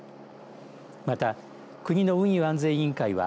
また、国の運輸安全委員会は